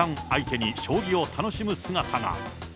相手に将棋を楽しむ姿が。